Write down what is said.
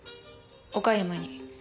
岡山に。